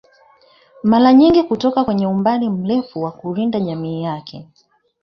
Mara nyingi kutoka kwenye umbali mrefu na kulinda jamii yake